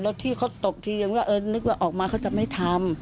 แล้วที่เขาตกทีนึกว่าออกมาเขาจะไม่ทำ